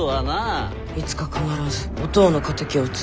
いつか必ずおとうの敵を討つ。